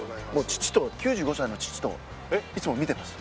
父と９５歳の父といつも見てます。